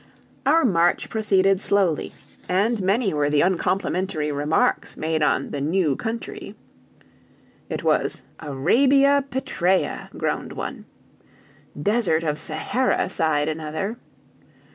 Our march proceeded slowly, and many were the uncomplimentary remarks made on the "new country." It was "Arabia Petrea," groaned one. "Desert of Sahara," sighed another.